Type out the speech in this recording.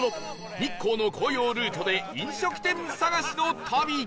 日光の紅葉ルートで飲食店探しの旅